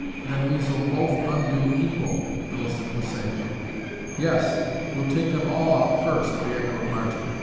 Then we s'll both undo equal," Millicent was saying. "Yes, we'll take them ALL out first," re echoed Marjory.